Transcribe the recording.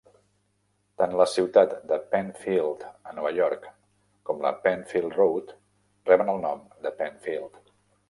Tant la ciutat de Penfield, a Nova York, com la Penfield Road reben el nom de Penfield.